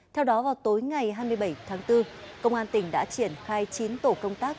theo đó vào tối ngày hai mươi bảy tháng bốn công an tỉnh đã triển khai chín tổ công tác